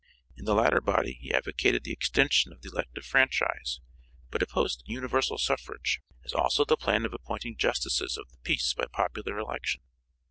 In the latter body he advocated the extension of the elective franchise, but opposed universal sufferage, as also the plan of appointing justices of the peace by popular election.